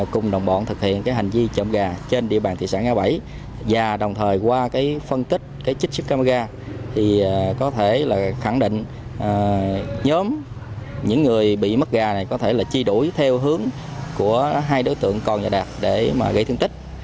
cùng đồng bọn thực hiện cái hành vi trộm gà trên địa bàn thị xã ngã bảy và đồng thời qua cái phân tích cái chích sức cắp gà thì có thể là khẳng định nhóm những người bị mất gà này có thể là chi đuổi theo hướng của hai đối tượng còn và đạt để mà gây thương tích